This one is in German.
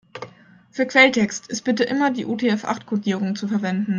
Für Quelltext ist bitte immer die UTF-acht-Kodierung zu verwenden.